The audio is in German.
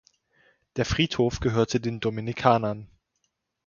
Der Friedhof gehörte den Dominikanern.